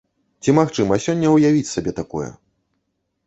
Ці магчыма сёння ўявіць сабе такое?